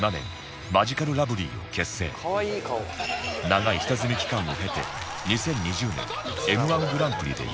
長い下積み期間を経て２０２０年 Ｍ−１ グランプリで優勝